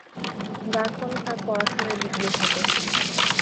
যার ফলে তাঁর পড়াশোনায় বিঘ্ন ঘটে।